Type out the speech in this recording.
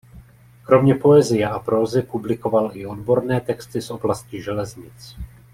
Kromě poezie a prózy publikoval i odborné texty z oblasti železnic.